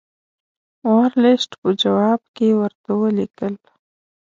ورلسټ په جواب کې ورته ولیکل.